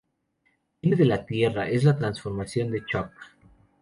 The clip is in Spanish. Viene de la tierra, es la transformación de Chuck.